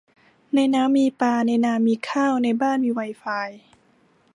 ในน้ำมีปลา ในนามีข้าว ในบ้านมีไวไฟ